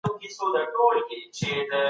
تاريکي پېړۍ ښايي د جهالت معنا ولري.